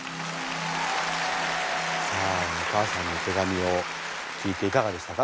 さあお母さんの手紙を聞いていかがでしたか？